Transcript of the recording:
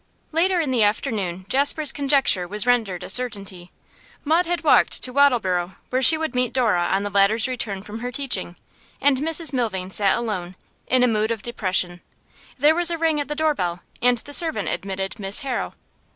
Later in the afternoon Jasper's conjecture was rendered a certainty. Maud had walked to Wattleborough, where she would meet Dora on the latter's return from her teaching, and Mrs Milvain sat alone, in a mood of depression; there was a ring at the door bell, and the servant admitted Miss Harrow.